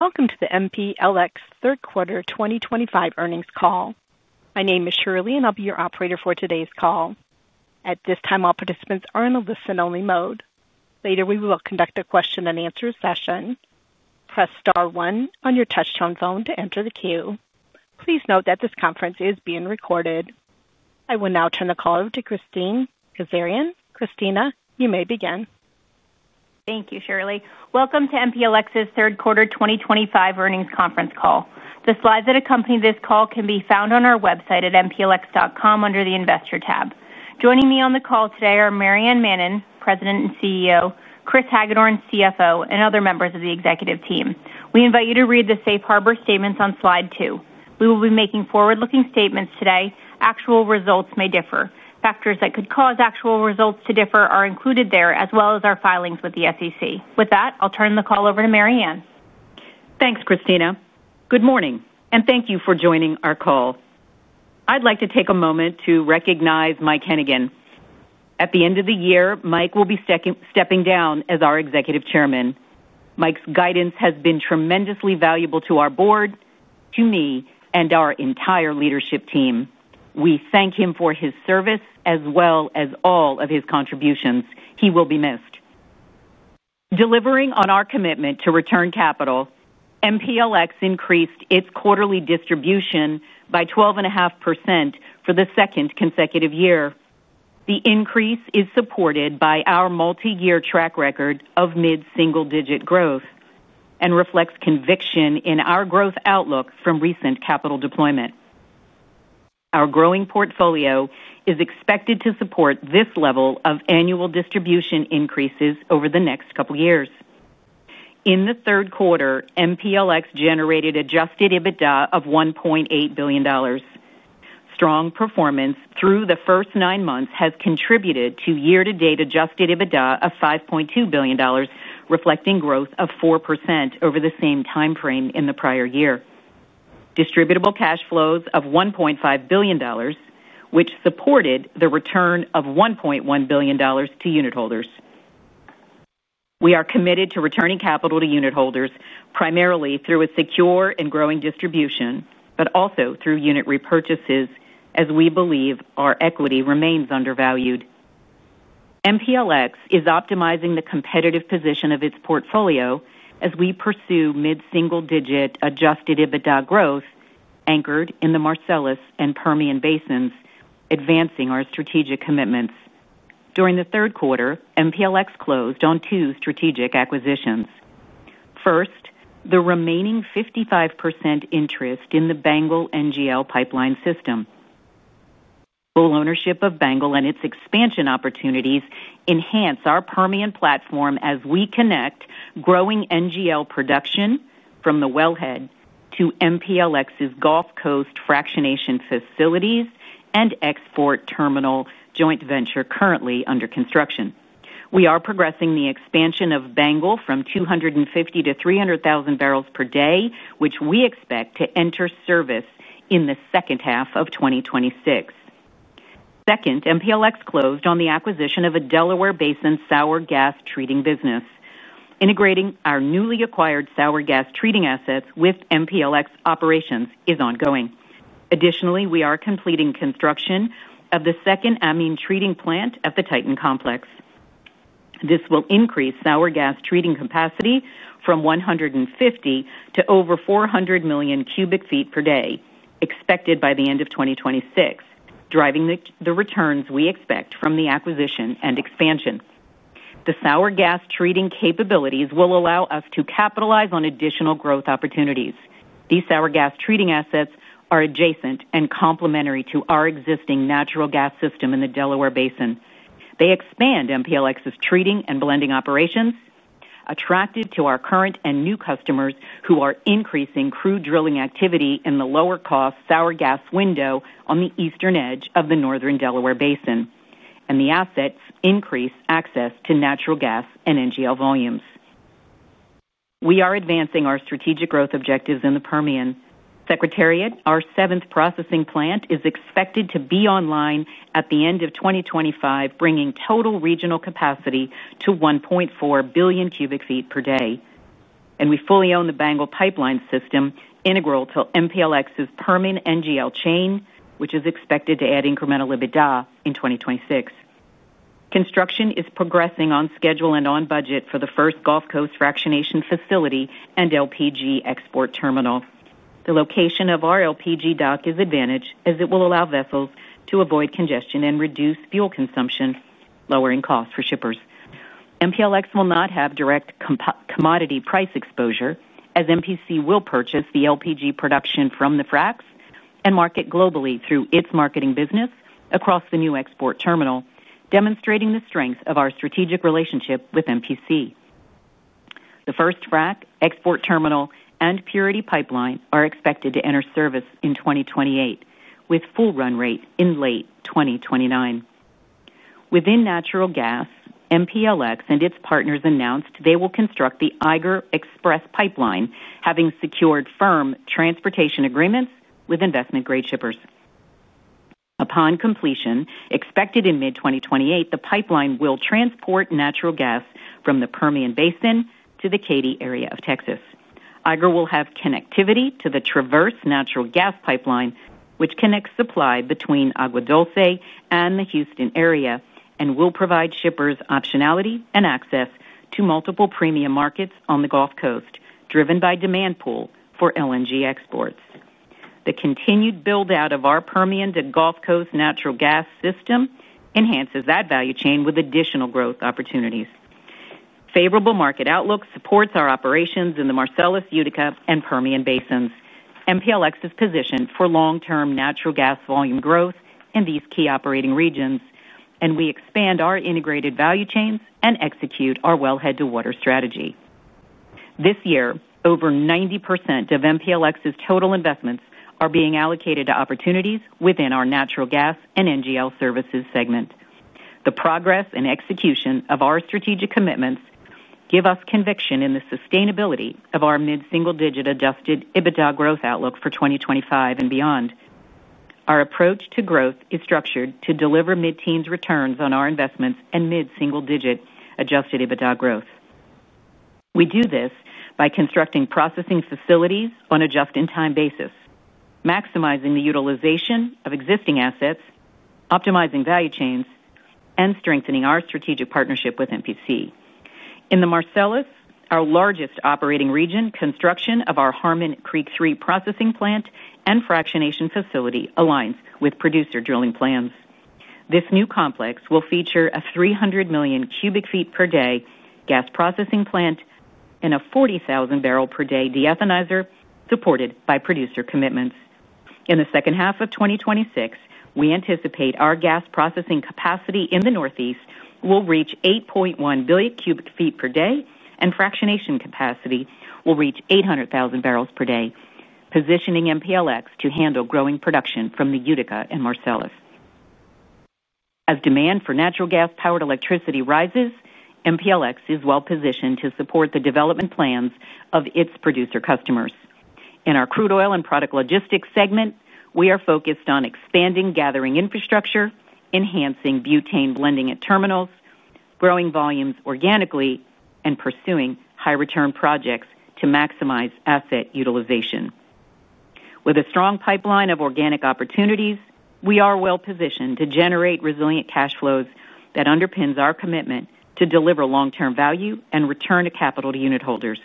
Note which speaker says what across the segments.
Speaker 1: Welcome to the MPLX Third Quarter 2025 Earnings call. My name is Shirley, and I'll be your operator for today's call. At this time, all participants are in a listen-only mode. Later, we will conduct a question-and-answer session. Press star one on your touch-tone phone to enter the queue. Please note that this conference is being recorded. I will now turn the call over to Kristina Kazarian. Kristina, you may begin.
Speaker 2: Thank you, Shirley. Welcome to MPLX's Third Quarter 2025 Earnings Conference call. The slides that accompany this call can be found on our website at mplx.com under the Investor tab. Joining me on the call today are Maryann Mannen, President and CEO, Kris Hagedorn, CFO, and other members of the executive team. We invite you to read the safe harbor statements on slide two. We will be making forward-looking statements today. Actual results may differ. Factors that could cause actual results to differ are included there, as well as our filings with the SEC. With that, I'll turn the call over to Maryann.
Speaker 3: Thanks, Kristina. Good morning, and thank you for joining our call. I'd like to take a moment to recognize Mike Hennigan. At the end of the year, Mike will be stepping down as our Executive Chairman. Mike's guidance has been tremendously valuable to our board, to me, and our entire leadership team. We thank him for his service as well as all of his contributions. He will be missed. Delivering on our commitment to return capital, MPLX increased its quarterly distribution by 12.5% for the second consecutive year. The increase is supported by our multi-year track record of mid-single-digit growth and reflects conviction in our growth outlook from recent capital deployment. Our growing portfolio is expected to support this level of annual distribution increases over the next couple of years. In the third quarter, MPLX generated adjusted EBITDA of $1.8 billion. Strong performance through the first nine months has contributed to year-to-date adjusted EBITDA of $5.2 billion, reflecting growth of 4% over the same time frame in the prior year. Distributable cash flows of $1.5 billion, which supported the return of $1.1 billion to unit holders. We are committed to returning capital to unit holders primarily through a secure and growing distribution, but also through unit repurchases, as we believe our equity remains undervalued. MPLX is optimizing the competitive position of its portfolio as we pursue mid-single-digit adjusted EBITDA growth anchored in the Marcellus and Permian basins, advancing our strategic commitments. During the third quarter, MPLX closed on two strategic acquisitions. First, the remaining 55% interest in the BANGL NGL Pipeline System. Full ownership of BANGL and its expansion opportunities enhance our Permian platform as we connect growing NGL production from the wellhead to MPLX's Gulf Coast Fractionation facilities and export terminal joint venture currently under construction. We are progressing the expansion of BANGL from 250,000 barrels to 300,000 barrels per day, which we expect to enter service in the second half of 2026. Second, MPLX closed on the acquisition of a Delaware Basin sour gas treating business. Integrating our newly acquired sour gas treating assets with MPLX operations is ongoing. Additionally, we are completing construction of the second amine treating plant at the Titan Complex. This will increase sour gas treating capacity from 150 million cubic ft to over 400 million cubic ft per day, expected by the end of 2026, driving the returns we expect from the acquisition and expansion. The sour gas treating capabilities will allow us to capitalize on additional growth opportunities. These sour gas treating assets are adjacent and complementary to our existing natural gas system in the Delaware Basin. They expand MPLX's treating and blending operations, attracted to our current and new customers who are increasing crude drilling activity in the lower-cost sour gas window on the eastern edge of the northern Delaware Basin, and the assets increase access to natural gas and NGL volumes. We are advancing our strategic growth objectives in the Permian. Secretariat, our seventh processing plant is expected to be online at the end of 2025, bringing total regional capacity to 1.4 billion cubic ft per day. We fully own the BANGL Pipeline System, integral to MPLX's Permian NGL chain, which is expected to add incremental EBITDA in 2026. Construction is progressing on schedule and on budget for the first Gulf Coast Fractionation facility and LPG export terminal. The location of our LPG dock is advantageous, as it will allow vessels to avoid congestion and reduce fuel consumption, lowering costs for shippers. MPLX will not have direct commodity price exposure, as MPC will purchase the LPG production from the fracs and market globally through its marketing business across the new export terminal, demonstrating the strength of our strategic relationship with MPC. The first frac, export terminal, and pipeline are expected to enter service in 2028, with full run rate in late 2029. Within natural gas, MPLX and its partners announced they will construct the Eiger Express Pipeline, having secured firm transportation agreements with investment-grade shippers. Upon completion, expected in mid-2028, the pipeline will transport natural gas from the Permian Basin to the Katy area of Texas. Eiger will have connectivity to the Traverse natural gas pipeline, which connects supply between Agua Dulce and the Houston area, and will provide shippers optionality and access to multiple premium markets on the Gulf Coast, driven by demand pull for LNG exports. The continued build-out of our Permian to Gulf Coast natural gas system enhances that value chain with additional growth opportunities. Favorable market outlook supports our operations in the Marcellus, Utica, and Permian Basins. MPLX is positioned for long-term natural gas volume growth in these key operating regions, and we expand our integrated value chains and execute our wellhead-to-water strategy. This year, over 90% of MPLX's total investments are being allocated to opportunities within our natural gas and NGL services segment. The progress and execution of our strategic commitments give us conviction in the sustainability of our mid-single-digit adjusted EBITDA growth outlook for 2025 and beyond. Our approach to growth is structured to deliver mid-teens returns on our investments and mid-single-digit adjusted EBITDA growth. We do this by constructing processing facilities on a just-in-time basis, maximizing the utilization of existing assets, optimizing value chains, and strengthening our strategic partnership with MPC. In the Marcellus, our largest operating region, construction of our Harmon Creek III processing plant and fractionation facility aligns with producer drilling plans. This new complex will feature a 300 million cubic ft per day gas processing plant and a 40,000-barrel-per-day de-ethanizer supported by producer commitments. In the second half of 2026, we anticipate our gas processing capacity in the Northeast will reach 8.1 billion cubic ft per day, and fractionation capacity will reach 800,000 barrels per day, positioning MPLX to handle growing production from the Utica and Marcellus. As demand for natural gas-powered electricity rises, MPLX is well-positioned to support the development plans of its producer customers. In our crude oil and product logistics segment, we are focused on expanding gathering infrastructure, enhancing butane blending at terminals, growing volumes organically, and pursuing high-return projects to maximize asset utilization. With a strong pipeline of organic opportunities, we are well-positioned to generate resilient cash flows that underpin our commitment to deliver long-term value and return to capital to unit holders.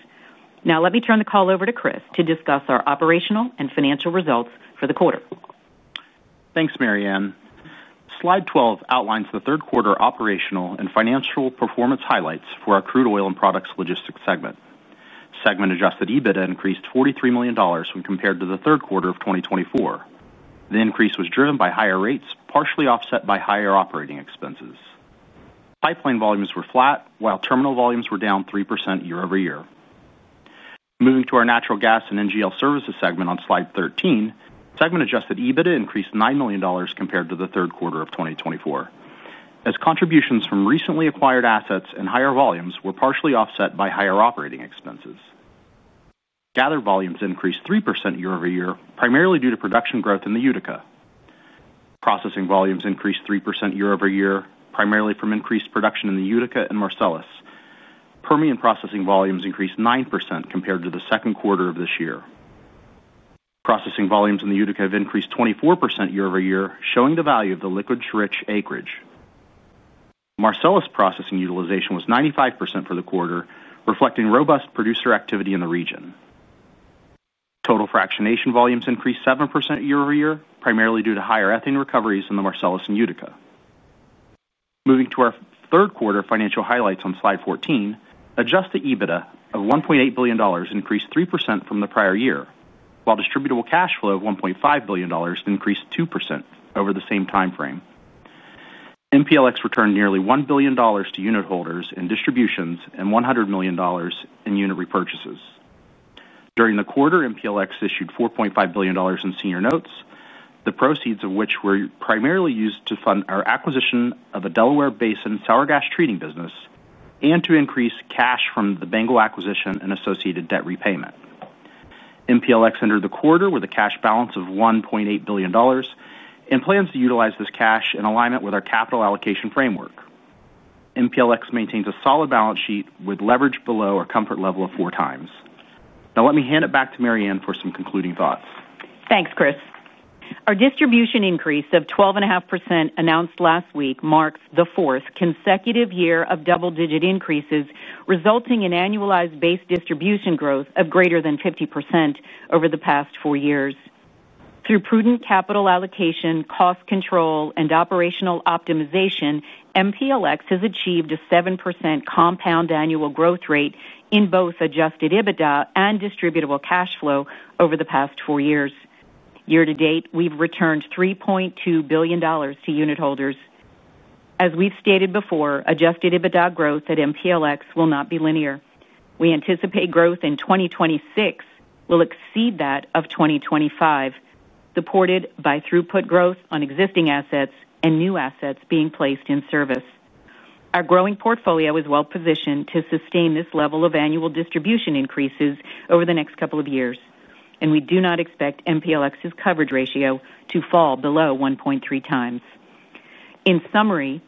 Speaker 3: Now, let me turn the call over to Kris to discuss our operational and financial results for the quarter.
Speaker 4: Thanks, Maryann. Slide 12 outlines the third quarter operational and financial performance highlights for our crude oil and products logistics segment. Segment-adjusted EBITDA increased $43 million when compared to the third quarter of 2024. The increase was driven by higher rates, partially offset by higher operating expenses. Pipeline volumes were flat, while terminal volumes were down 3% year-over-year. Moving to our natural gas and NGL services segment on slide 13, segment-adjusted EBITDA increased $9 million compared to the third quarter of 2024, as contributions from recently acquired assets and higher volumes were partially offset by higher operating expenses. Gathered volumes increased 3% year-over-year, primarily due to production growth in the Utica. Processing volumes increased 3% year-over-year, primarily from increased production in the Utica and Marcellus. Permian processing volumes increased 9% compared to the second quarter of this year. Processing volumes in the Utica have increased 24% year-over-year, showing the value of the liquid-rich acreage. Marcellus processing utilization was 95% for the quarter, reflecting robust producer activity in the region. Total fractionation volumes increased 7% year-over-year, primarily due to higher ethane recoveries in the Marcellus and Utica. Moving to our third quarter financial highlights on slide 14, Adjusted EBITDA of $1.8 billion increased 3% from the prior year, while Distributable Cash Flow of $1.5 billion increased 2% over the same time frame. MPLX returned nearly $1 billion to unit holders in distributions and $100 million in unit repurchases. During the quarter, MPLX issued $4.5 billion in senior notes, the proceeds of which were primarily used to fund our acquisition of a Delaware Basin sour gas treating business and to increase cash from the BANGL acquisition and associated debt repayment. MPLX entered the quarter with a cash balance of $1.8 billion and plans to utilize this cash in alignment with our capital allocation framework. MPLX maintains a solid balance sheet with leverage below our comfort level of four times. Now, let me hand it back to Maryann for some concluding thoughts.
Speaker 3: Thanks, Kris. Our distribution increase of 12.5% announced last week marks the fourth consecutive year of double-digit increases, resulting in annualized base distribution growth of greater than 50% over the past four years. Through prudent capital allocation, cost control, and operational optimization, MPLX has achieved a 7% compound annual growth rate in both adjusted EBITDA and distributable cash flow over the past four years. Year-to-date, we've returned $3.2 billion to unit holders. As we've stated before, adjusted EBITDA growth at MPLX will not be linear. We anticipate growth in 2026 will exceed that of 2025, supported by throughput growth on existing assets and new assets being placed in service. Our growing portfolio is well-positioned to sustain this level of annual distribution increases over the next couple of years, and we do not expect MPLX's coverage ratio to fall below 1.3x. In summary,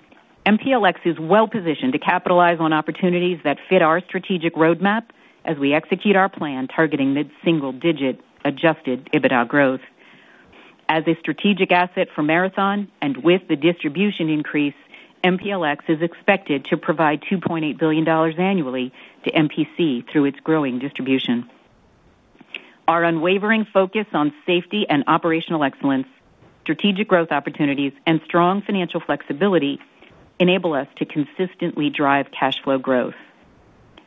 Speaker 3: MPLX is well-positioned to capitalize on opportunities that fit our strategic roadmap as we execute our plan targeting mid-single-digit adjusted EBITDA growth. As a strategic asset for Marathon and with the distribution increase, MPLX is expected to provide $2.8 billion annually to MPC through its growing distribution. Our unwavering focus on safety and operational excellence, strategic growth opportunities, and strong financial flexibility enable us to consistently drive cash flow growth.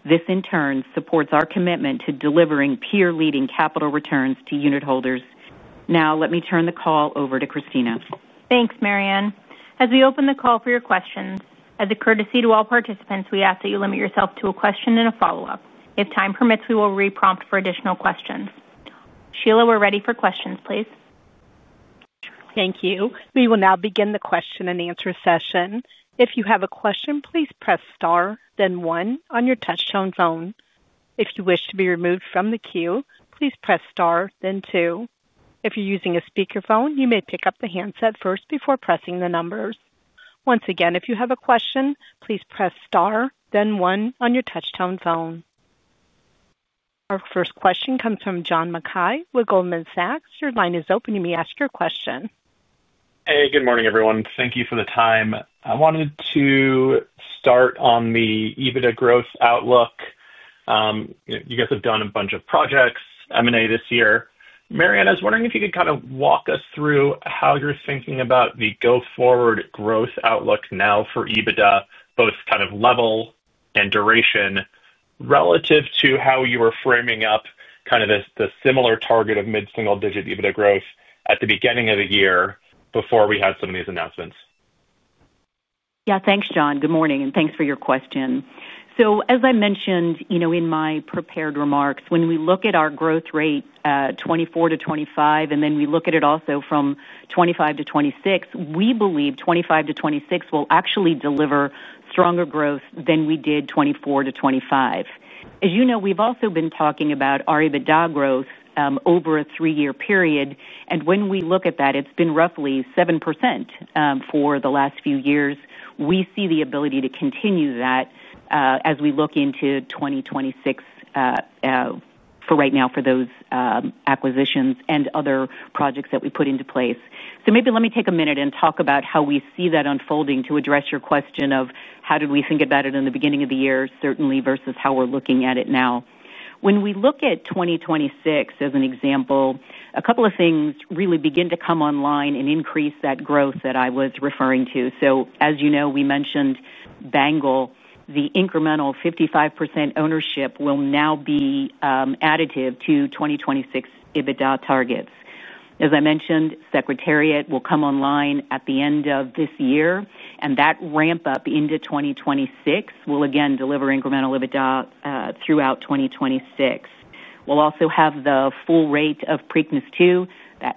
Speaker 3: This, in turn, supports our commitment to delivering peer-leading capital returns to unit holders. Now, let me turn the call over to Kristina.
Speaker 2: Thanks, Maryann. As we open the call for your questions, as a courtesy to all participants, we ask that you limit yourself to a question and a follow-up. If time permits, we will re-prompt for additional questions. Shirley, we're ready for questions, please.
Speaker 5: Thank you. We will now begin the question-and-answer session. If you have a question, please press star, then one on your touch-tone phone. If you wish to be removed from the queue, please press star, then two. If you're using a speakerphone, you may pick up the handset first before pressing the numbers. Once again, if you have a question, please press star, then one on your touch-tone phone. Our first question comes from John Mackay with Goldman Sachs. Your line is open. You may ask your question.
Speaker 6: Hey, good morning, everyone. Thank you for the time. I wanted to start on the EBITDA growth outlook. You guys have done a bunch of projects, M&A this year. Maryann, I was wondering if you could kind of walk us through how you're thinking about the go-forward growth outlook now for EBITDA, both kind of level and duration, relative to how you were framing up kind of the similar target of mid-single-digit EBITDA growth at the beginning of the year before we had some of these announcements.
Speaker 3: Yeah, thanks, John. Good morning, and thanks for your question. So, as I mentioned in my prepared remarks, when we look at our growth rate 2024 to 2025, and then we look at it also from 2025 to 2026, we believe 2025 to 2026 will actually deliver stronger growth than we did 2024 to 2025. As you know, we've also been talking about our EBITDA growth over a three-year period, and when we look at that, it's been roughly 7% for the last few years. We see the ability to continue that as we look into 2026. For right now for those acquisitions and other projects that we put into place. So maybe let me take a minute and talk about how we see that unfolding to address your question of how did we think about it in the beginning of the year, certainly, versus how we're looking at it now. When we look at 2026, as an example, a couple of things really begin to come online and increase that growth that I was referring to. So, as you know, we mentioned BANGL. The incremental 55% ownership will now be additive to 2026 EBITDA targets. As I mentioned, Secretariat will come online at the end of this year, and that ramp-up into 2026 will again deliver incremental EBITDA throughout 2026. We'll also have the full rate of Preakness II that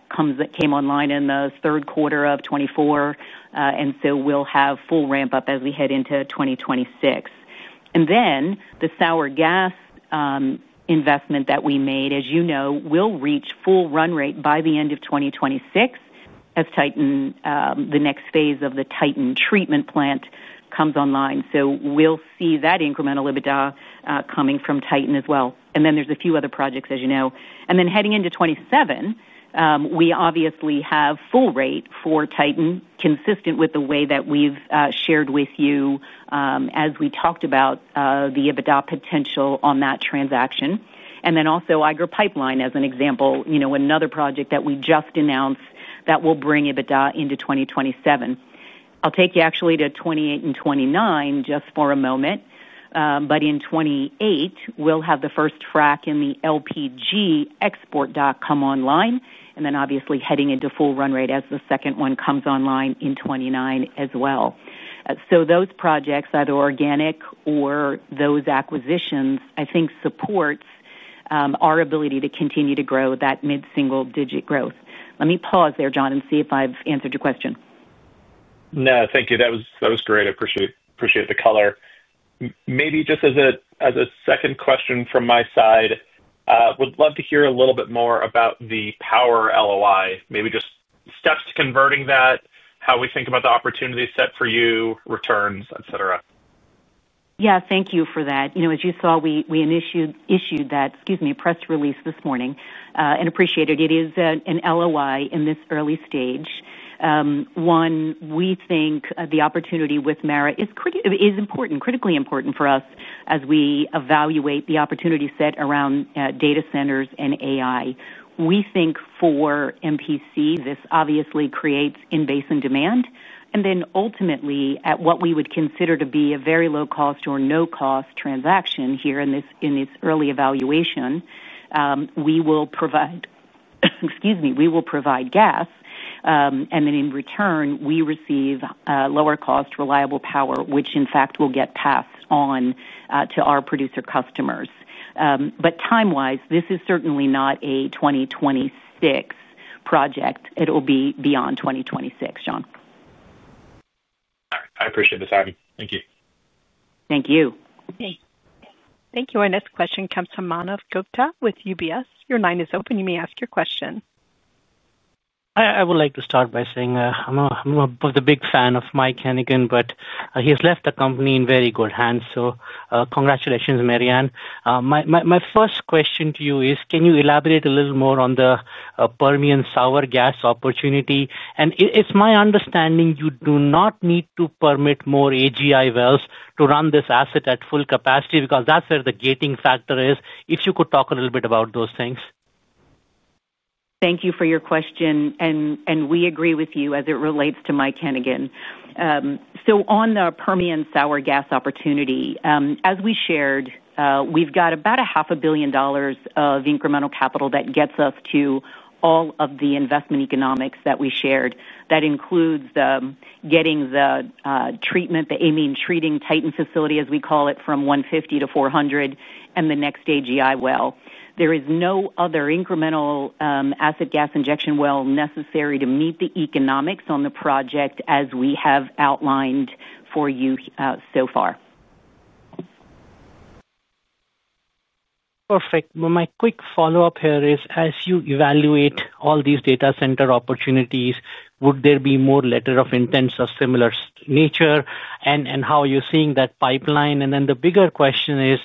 Speaker 3: came online in the third quarter of 2024. And so we'll have full ramp-up as we head into 2026. And then the sour gas investment that we made, as you know, will reach full run rate by the end of 2026 as Titan, the next phase of the Titan treatment plant, comes online. So we'll see that incremental EBITDA coming from Titan as well. And then there's a few other projects, as you know. And then heading into 2027. We obviously have full rate for Titan, consistent with the way that we've shared with you as we talked about the EBITDA potential on that transaction. And then also Eiger Pipeline, as an example, another project that we just announced that will bring EBITDA into 2027. I'll take you actually to 2028 and 2029 just for a moment. But in 2028, we'll have the first frac in the LPG Export that come online, and then obviously heading into full run rate as the second one comes online in 2029 as well. So those projects, either organic or those acquisitions, I think support our ability to continue to grow that mid-single-digit growth. Let me pause there, John, and see if I've answered your question.
Speaker 6: No, thank you. That was great. I appreciate the color. Maybe just as a second question from my side, I would love to hear a little bit more about the power LOI, maybe just steps to converting that, how we think about the opportunity set for you, returns, et cetera?
Speaker 3: Yeah, thank you for that. As you saw, we issued that, excuse me, press release this morning and appreciated it. It is an LOI in this early stage. One, we think the opportunity with MPC is important, critically important for us as we evaluate the opportunity set around data centers and AI. We think for MPC, this obviously creates in basin demand. And then ultimately, at what we would consider to be a very low-cost or no-cost transaction here in this early evaluation. We will provide, excuse me, we will provide gas. And then in return, we receive lower-cost reliable power, which in fact will get passed on to our producer customers. But time-wise, this is certainly not a 2026 project. It'll be beyond 2026, John.
Speaker 6: I appreciate the time. Thank you.
Speaker 3: Thank you.
Speaker 2: Thank you. Our next question comes from Manav Gupta with UBS. Your line is open. You may ask your question.
Speaker 7: I would like to start by saying I'm a big fan of Mike Hennigan, but he has left the company in very good hands, so congratulations, Maryann. My first question to you is, can you elaborate a little more on the Permian sour gas opportunity, and it's my understanding you do not need to permit more AGI wells to run this asset at full capacity because that's where the gating factor is. If you could talk a little bit about those things.
Speaker 3: Thank you for your question, and we agree with you as it relates to Mike Hennigan. So on the Permian sour gas opportunity, as we shared, we've got about $500 million of incremental capital that gets us to all of the investment economics that we shared. That includes getting the treatment, the amine treating Titan facility, as we call it, from 150 to 400 and the next AGI well. There is no other incremental asset gas injection well necessary to meet the economics on the project as we have outlined for you so far.
Speaker 7: Perfect. My quick follow-up here is, as you evaluate all these data center opportunities, would there be more letters of intent of similar nature and how you're seeing that pipeline? And then the bigger question is,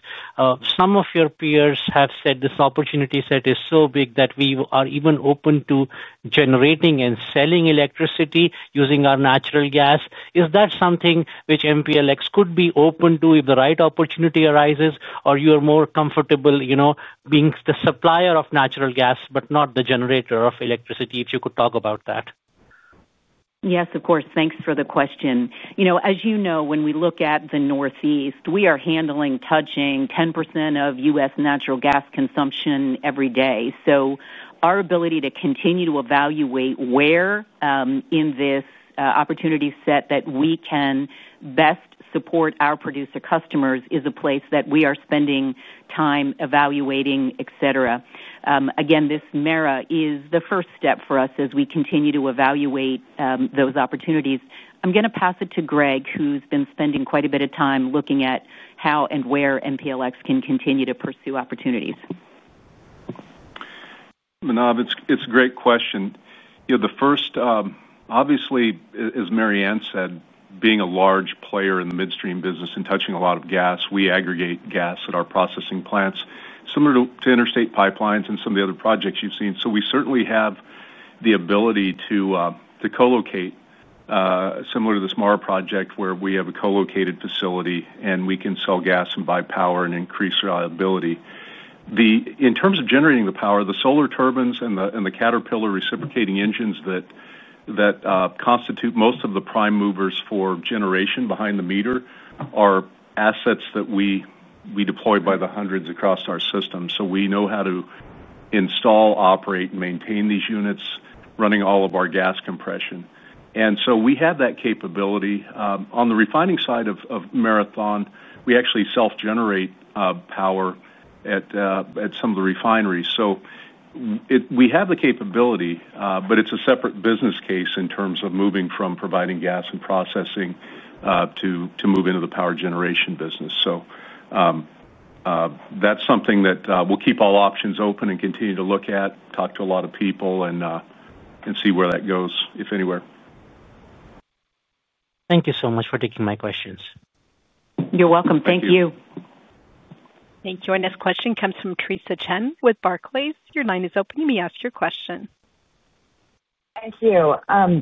Speaker 7: some of your peers have said this opportunity set is so big that we are even open to generating and selling electricity using our natural gas. Is that something which MPLX could be open to if the right opportunity arises, or you are more comfortable being the supplier of natural gas but not the generator of electricity, if you could talk about that?
Speaker 3: Yes, of course. Thanks for the question. As you know, when we look at the Northeast, we are handling, touching 10% of U.S. natural gas consumption every day. So our ability to continue to evaluate where in this opportunity set that we can best support our producer customers is a place that we are spending time evaluating, et cetera. Again, this Mara is the first step for us as we continue to evaluate those opportunities. I'm going to pass it to Greg, who's been spending quite a bit of time looking at how and where MPLX can continue to pursue opportunities.
Speaker 8: It's a great question. The first, obviously, as Maryann said, being a large player in the midstream business and touching a lot of gas, we aggregate gas at our processing plants, similar to interstate pipelines and some of the other projects you've seen. So we certainly have the ability to co-locate, similar to the SMR project where we have a co-located facility and we can sell gas and buy power and increase reliability. In terms of generating the power, the Solar Turbines and the Caterpillar reciprocating engines that constitute most of the prime movers for generation behind the meter are assets that we deploy by the hundreds across our system. So we know how to install, operate, and maintain these units running all of our gas compression. And so we have that capability. On the refining side of Marathon, we actually self-generate power at some of the refineries. So we have the capability, but it's a separate business case in terms of moving from providing gas and processing to move into the power generation business. So that's something that we'll keep all options open and continue to look at, talk to a lot of people, and see where that goes, if anywhere.
Speaker 7: Thank you so much for taking my questions.
Speaker 3: You're welcome. Thank you.
Speaker 2: Thank you. Join us. Question comes from Theresa Chen with Barclays. Your line is open. You may ask your question.
Speaker 9: Thank you.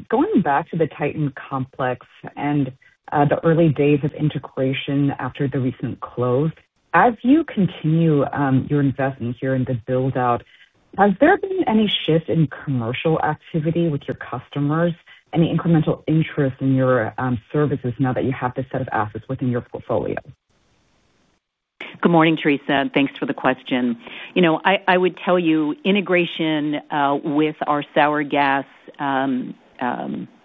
Speaker 9: Going back to the Titan Complex and the early days of integration after the recent close, as you continue your investment here in the build-out, has there been any shift in commercial activity with your customers, any incremental interest in your services now that you have this set of assets within your portfolio?
Speaker 3: Good morning, Theresa. Thanks for the question. I would tell you integration with our sour gas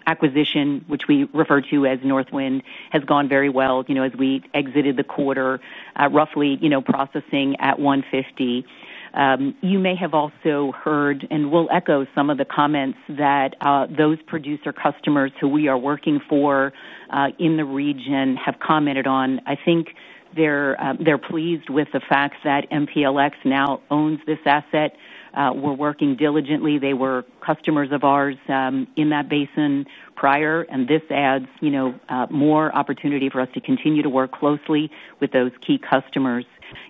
Speaker 3: acquisition, which we refer to as Northwind, has gone very well as we exited the quarter, roughly processing at 150. You may have also heard, and we'll echo some of the comments that those producer customers who we are working for in the region have commented on. I think they're pleased with the fact that MPLX now owns this asset. We're working diligently. They were customers of ours in that basin prior, and this adds more opportunity for us to continue to work closely with those key customers.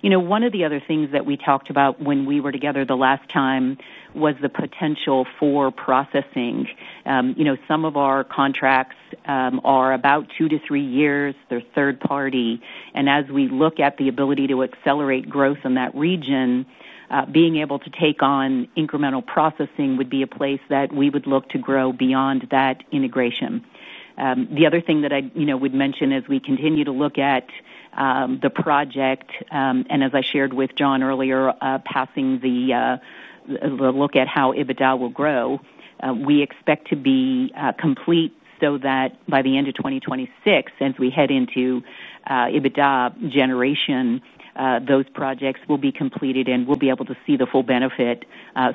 Speaker 3: One of the other things that we talked about when we were together the last time was the potential for processing. Some of our contracts are about two to three years. They're third-party, and as we look at the ability to accelerate growth in that region, being able to take on incremental processing would be a place that we would look to grow beyond that integration. The other thing that I would mention as we continue to look at the project, and as I shared with John earlier, passing the look at how EBITDA will grow, we expect to be complete so that by the end of 2026, as we head into EBITDA generation, those projects will be completed and we'll be able to see the full benefit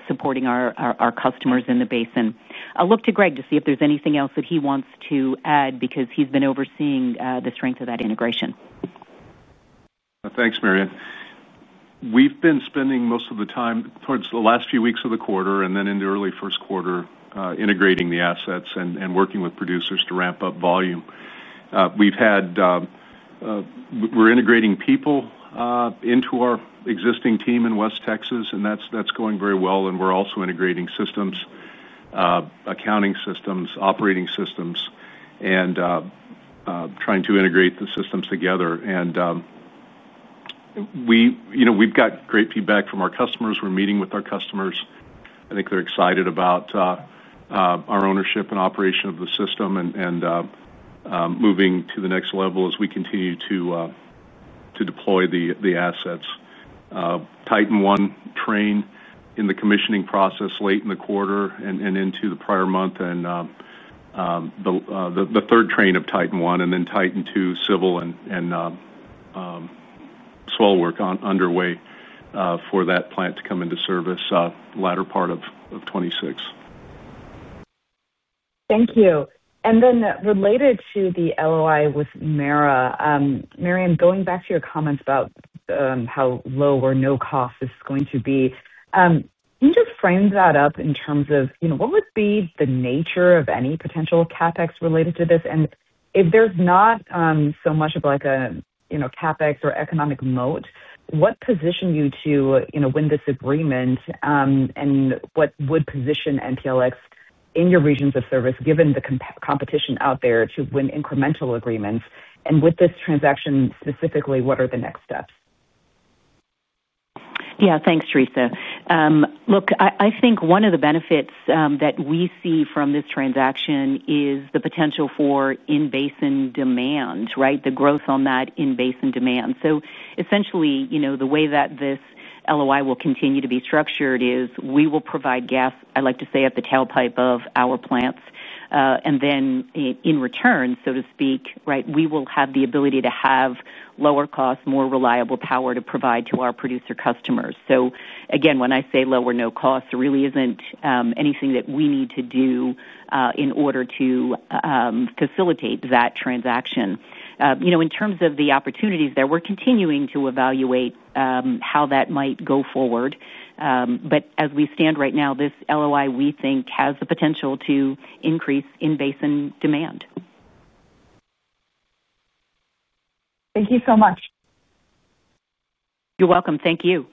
Speaker 3: supporting our customers in the basin. I'll look to Greg to see if there's anything else that he wants to add because he's been overseeing the strength of that integration.
Speaker 8: Thanks, Maryann. We've been spending most of the time towards the last few weeks of the quarter and then into early first quarter integrating the assets and working with producers to ramp up volume. We're integrating people into our existing team in West Texas, and that's going very well. We're also integrating systems: accounting systems, operating systems, and trying to integrate the systems together. We've got great feedback from our customers. We're meeting with our customers. I think they're excited about our ownership and operation of the system and moving to the next level as we continue to deploy the assets. Titan One train in the commissioning process late in the quarter and into the prior month, and the third train of Titan One, and then Titan Two civil and swell work underway for that plant to come into service latter part of 2026.
Speaker 9: Thank you. And then related to the LOI with Mara, Maryann, going back to your comments about how low or no cost it's going to be. Can you just frame that up in terms of what would be the nature of any potential CapEx related to this? And if there's not so much of a CapEx or economic moat, what positioned you to win this agreement? And what would position MPLX in your regions of service, given the competition out there, to win incremental agreements? And with this transaction specifically, what are the next steps?
Speaker 3: Yeah, thanks, Theresa. Look, I think one of the benefits that we see from this transaction is the potential for in basin demand, right? The growth on that in basin demand. So essentially, the way that this LOI will continue to be structured is we will provide gas, I like to say, at the tailpipe of our plants. And then in return, so to speak, we will have the ability to have lower cost, more reliable power to provide to our producer customers. So again, when I say low or no cost, there really isn't anything that we need to do in order to facilitate that transaction. In terms of the opportunities there, we're continuing to evaluate how that might go forward. But as we stand right now, this LOI, we think, has the potential to increase in basin demand.
Speaker 9: Thank you so much.
Speaker 3: You're welcome. Thank you.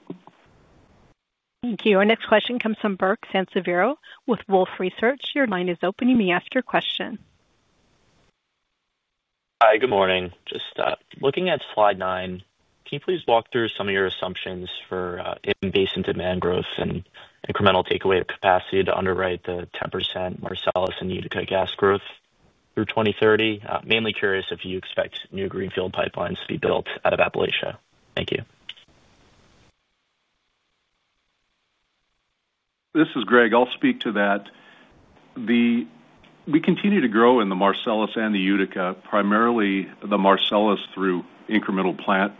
Speaker 2: Thank you. Our next question comes from Burke Sansiviero with Wolfe Research. Your line is open. You may ask your question.
Speaker 10: Hi, good morning. Just looking at slide nine, can you please walk through some of your assumptions for in-basin demand growth and incremental takeaway of capacity to underwrite the 10% Marcellus and Utica gas growth through 2030? Mainly curious if you expect new greenfield pipelines to be built out of Appalachia? Thank you.
Speaker 8: This is Greg. I'll speak to that. We continue to grow in the Marcellus and the Utica, primarily the Marcellus through incremental plant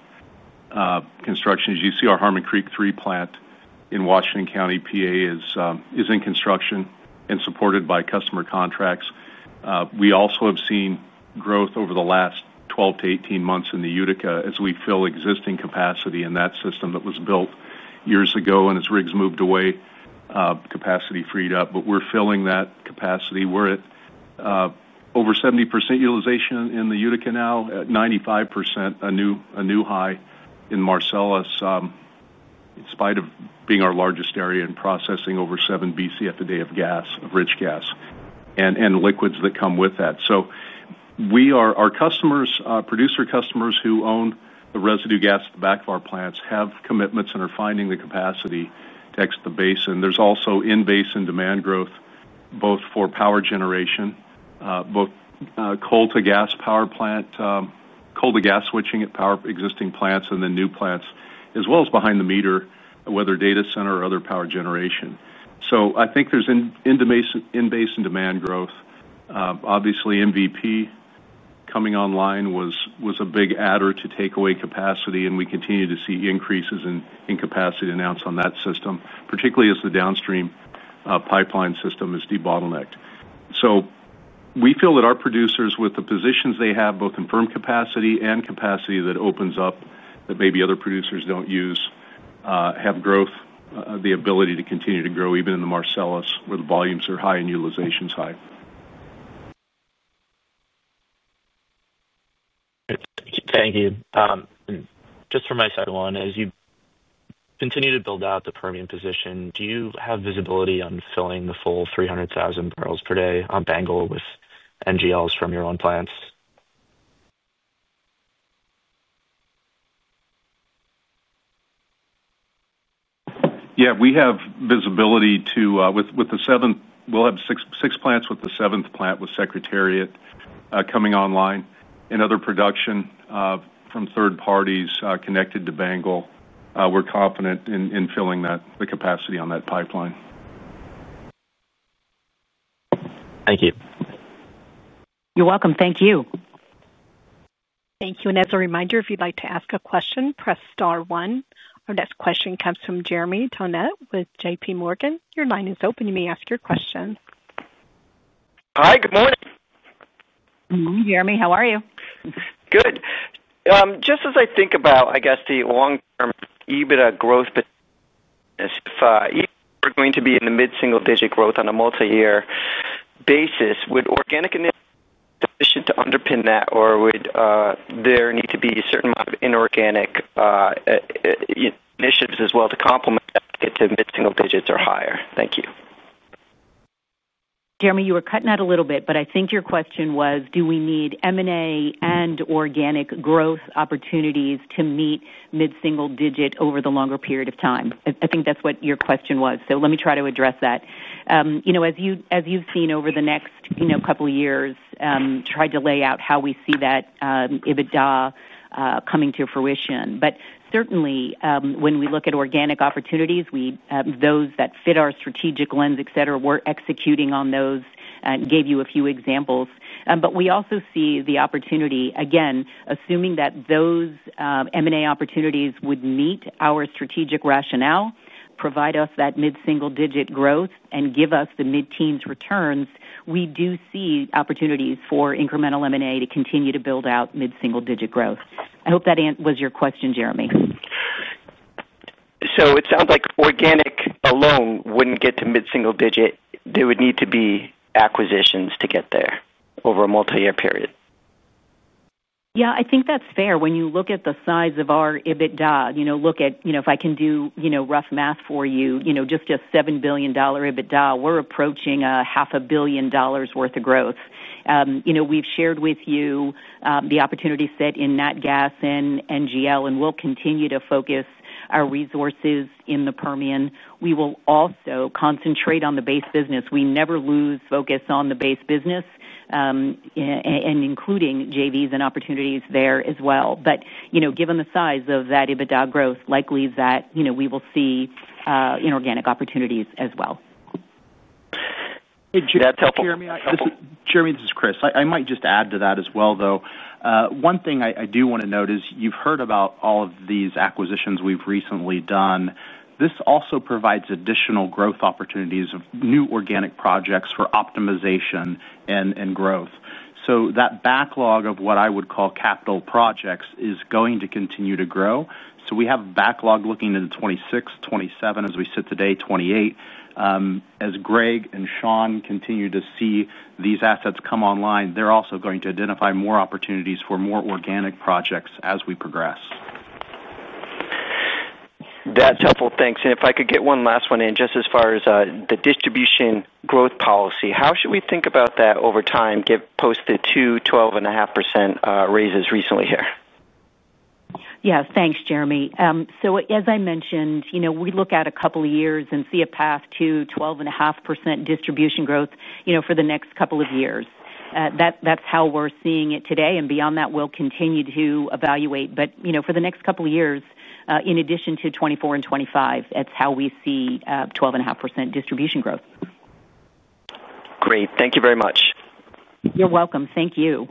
Speaker 8: construction. As you see, our Harmon Creek III plant in Washington County, PA, is in construction and supported by customer contracts. We also have seen growth over the last 12 to 18 months in the Utica as we fill existing capacity in that system that was built years ago. And as rigs moved away, capacity freed up, but we're filling that capacity. We're at over 70% utilization in the Utica now, 95%, a new high in Marcellus. In spite of being our largest area in processing over 7 Bcf a day of gas, of rich gas, and liquids that come with that. So our customers, producer customers who own the residue gas at the back of our plants, have commitments and are finding the capacity to exit the basin. There's also in-basin demand growth, both for power generation, both coal-to-gas switching at existing power plants and then new plants, as well as behind the meter, whether data center or other power generation. So I think there's in-basin demand growth. Obviously, MVP coming online was a big adder to takeaway capacity, and we continue to see increases in capacity announced on that system, particularly as the downstream pipeline system is debottlenecked. So we feel that our producers, with the positions they have, both in firm capacity and capacity that opens up that maybe other producers don't use, have growth, the ability to continue to grow even in the Marcellus where the volumes are high and utilization's high.
Speaker 10: Thank you. Just one from my side, as you continue to build out the Permian position, do you have visibility on filling the full 300,000 barrels per day on BANGL with NGLs from your own plants?
Speaker 8: Yeah, we have visibility to. With the seventh, we'll have six plants with the seventh plant with Secretariat coming online and other production. From third parties connected to BANGL. We're confident in filling the capacity on that pipeline.
Speaker 10: Thank you.
Speaker 3: You're welcome. Thank you.
Speaker 2: Thank you. And as a reminder, if you'd like to ask a question, press star one. Our next question comes from Jeremy Tonet with JPMorgan. Your line is open. You may ask your question.
Speaker 5: Hi, good morning.
Speaker 3: Jeremy, how are you?
Speaker 5: Good. Just as I think about, I guess, the long-term EBITDA growth. If we're going to be in the mid-single-digit growth on a multi-year basis, would organic initiatives be sufficient to underpin that, or would there need to be a certain amount of inorganic initiatives as well to complement that to mid-single digits or higher? Thank you.
Speaker 3: Jeremy, you were cutting out a little bit, but I think your question was, do we need M&A and organic growth opportunities to meet mid-single digit over the longer period of time? I think that's what your question was. So let me try to address that. As you've seen over the next couple of years, tried to lay out how we see that EBITDA coming to fruition. But certainly, when we look at organic opportunities, those that fit our strategic lens, etc., we're executing on those, and gave you a few examples. But we also see the opportunity, again, assuming that those M&A opportunities would meet our strategic rationale, provide us that mid-single digit growth, and give us the mid-teens returns, we do see opportunities for incremental M&A to continue to build out mid-single digit growth. I hope that was your question, Jeremy.
Speaker 5: So it sounds like organic alone wouldn't get to mid-single digit. There would need to be acquisitions to get there over a multi-year period.
Speaker 3: Yeah, I think that's fair. When you look at the size of our EBITDA, look at if I can do rough math for you, just a $7 billion EBITDA, we're approaching $500 million worth of growth. We've shared with you the opportunity set in Nat Gas and NGL, and we'll continue to focus our resources in the Permian. We will also concentrate on the base business. We never lose focus on the base business, including JVs and opportunities there as well, but given the size of that EBITDA growth, likely that we will see inorganic opportunities as well.
Speaker 5: That's helpful.
Speaker 4: Jeremy, this is Kris. I might just add to that as well, though. One thing I do want to note is you've heard about all of these acquisitions we've recently done. This also provides additional growth opportunities of new organic projects for optimization and growth. So that backlog of what I would call capital projects is going to continue to grow. So we have a backlog looking into 2026, 2027, as we sit today, 2028. As Greg and Shawn continue to see these assets come online, they're also going to identify more opportunities for more organic projects as we progress.
Speaker 5: That's helpful. Thanks, and if I could get one last one in, just as far as the distribution growth policy, how should we think about that over time, post the two 12.5% raises recently here?
Speaker 3: Yes, thanks, Jeremy. So as I mentioned, we look at a couple of years and see a path to 12.5% distribution growth for the next couple of years. That's how we're seeing it today. And beyond that, we'll continue to evaluate. But for the next couple of years, in addition to 2024 and 2025, that's how we see 12.5% distribution growth.
Speaker 5: Great. Thank you very much.
Speaker 3: You're welcome. Thank you.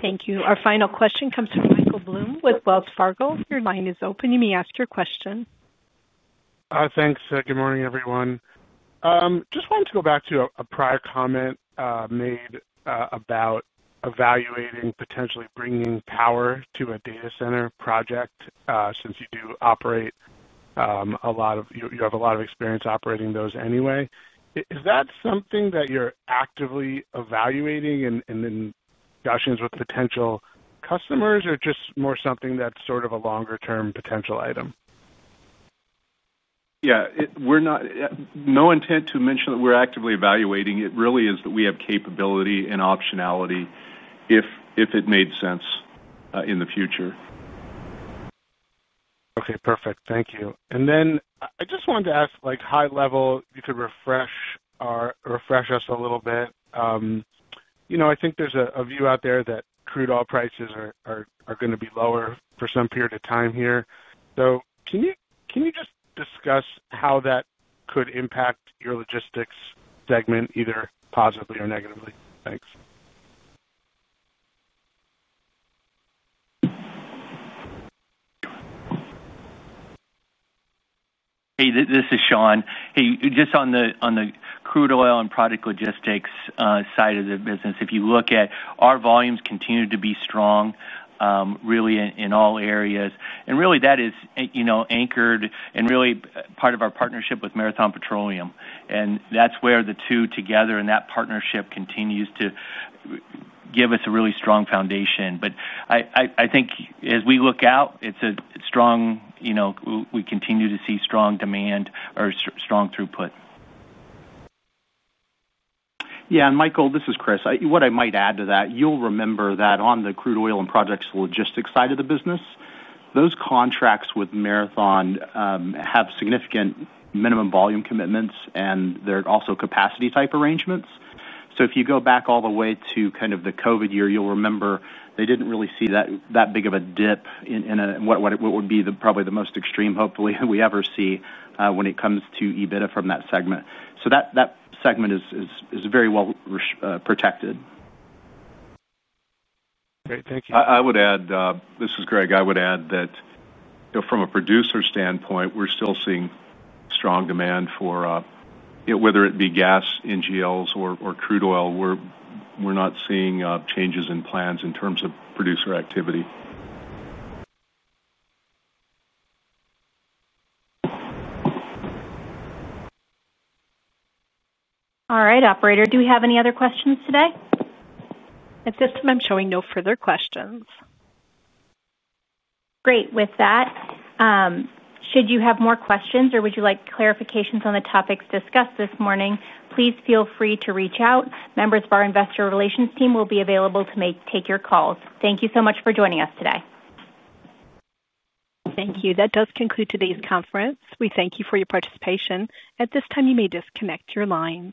Speaker 2: Thank you. Our final question comes from Michael Blum with Wells Fargo. Your line is open. You may ask your question.
Speaker 11: Thanks. Good morning, everyone. Just wanted to go back to a prior comment made about evaluating potentially bringing power to a data center project since you do operate. A lot of you have a lot of experience operating those anyway. Is that something that you're actively evaluating and in discussions with potential customers, or just more something that's sort of a longer-term potential item?
Speaker 8: Yeah. No intent to mention that we're actively evaluating. It really is that we have capability and optionality if it made sense in the future.
Speaker 11: Okay, perfect. Thank you. And then I just wanted to ask high-level, you could refresh us a little bit. I think there's a view out there that crude oil prices are going to be lower for some period of time here. So can you just discuss how that could impact your logistics segment, either positively or negatively? Thanks.
Speaker 12: Hey, this is Shawn. Hey, just on the crude oil and product logistics side of the business, if you look at our volumes continue to be strong. Really in all areas. And really, that is anchored and really part of our partnership with Marathon Petroleum. And that's where the two together and that partnership continues to give us a really strong foundation. But I think as we look out, it's strong. We continue to see strong demand or strong throughput.
Speaker 4: Yeah, and Michael, this is Kris. What I might add to that, you'll remember that on the crude oil and products logistics side of the business, those contracts with Marathon have significant minimum volume commitments, and they're also capacity type arrangements. So if you go back all the way to kind of the COVID year, you'll remember they didn't really see that big of a dip in what would be probably the most extreme, hopefully, that we ever see when it comes to EBITDA from that segment. So that segment is very well protected.
Speaker 11: Great. Thank you.
Speaker 8: I would add, this is Greg. I would add that. From a producer standpoint, we're still seeing strong demand for whether it be gas, NGLs, or crude oil. We're not seeing changes in plans in terms of producer activity.
Speaker 2: All right, operator. Do we have any other questions today?
Speaker 1: At this time, I'm showing no further questions.
Speaker 2: Great. With that. Should you have more questions or would you like clarifications on the topics discussed this morning, please feel free to reach out. Members of our investor relations team will be available to take your calls. Thank you so much for joining us today.
Speaker 1: Thank you. That does conclude today's conference. We thank you for your participation. At this time, you may disconnect your line.